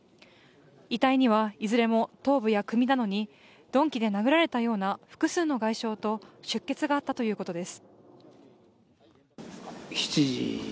遺体にはいずれも頭部や首などに鈍器で殴られたような複数の外傷と出血があったということです。